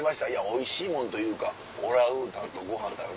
「おいしいもんというかオラウータンとご飯食べて」。